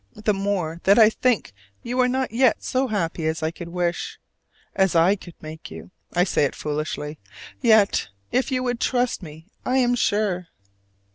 the more that I think you are not yet so happy as I could wish, as I could make you, I say it foolishly: yet if you would trust me, I am sure.